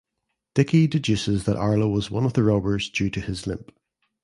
Dickie deduces that Arlo was one of the robbers due to his limp.